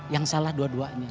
yang salah dua duanya